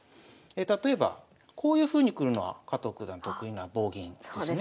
例えばこういうふうに来るのは加藤九段得意な棒銀ですね。